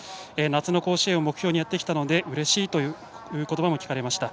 夏の甲子園を目標にやってきたのでうれしいという言葉も聞かれました。